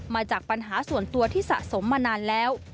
มาจากปัญหาส่วนตัวที่สะสมมานานแล้ว